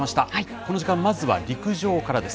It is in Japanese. この時間、まずは陸上からです。